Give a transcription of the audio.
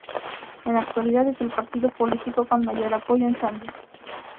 En la actualidad es el partido político con mayor apoyo en Zambia.